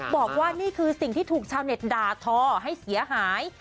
บอกว่านี่คือสิ่งที่ถูกชาวเน็ตด่าทอให้เสียหาย